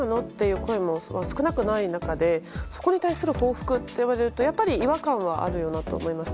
声も少なくない中でそこに対する報復といわれるとやっぱり違和感はあるよなと思いました。